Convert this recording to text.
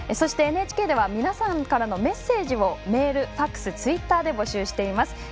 ＮＨＫでは皆さんからのメッセージをメール、ＦＡＸ、ツイッターで募集しています。